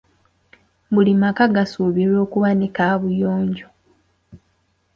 Buli maka gasuubirwa okuba ne kaabuyonjo.